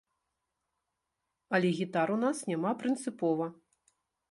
Але гітар у нас няма прынцыпова.